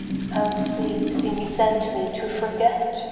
How sleep seem'd sent me to forget.